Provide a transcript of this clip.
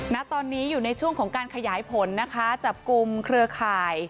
ณตอนนี้อยู่ในช่วงของการขยายผลนะคะจับกลุ่มเครือข่าย